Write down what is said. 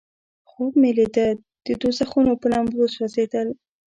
خوب مې لیده د دوزخونو په لمبو سوځیدل.